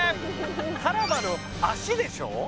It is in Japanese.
タラバの脚でしょ？